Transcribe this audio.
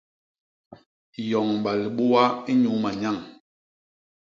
Yoñba libua inyuu manyañ.